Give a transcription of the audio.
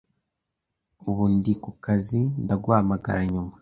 Ubu ndi kukazi, ndaguhamagara nyuma.